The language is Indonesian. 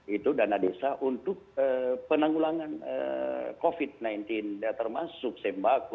itu dana desa untuk penanggulangan covid sembilan belas termasuk sembako